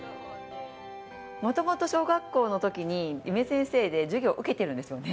もともと小学校のときに夢先生で授業を受けてるんですよね？